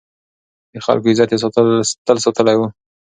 د خلکو عزت يې تل ساتلی و.